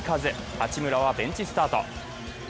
八村はベンチスタート。